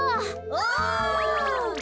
お！